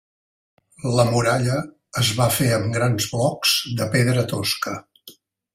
La muralla es va fer amb grans blocs de pedra tosca.